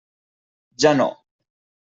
Ja no.